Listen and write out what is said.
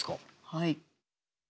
はい。